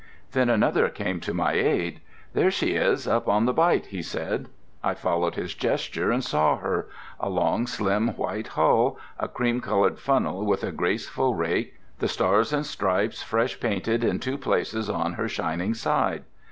Then another came to my aid. "There she is, up in the bight," he said. I followed his gesture, and saw her—a long, slim white hull, a cream coloured funnel with a graceful rake; the Stars and Stripes fresh painted in two places on her shining side.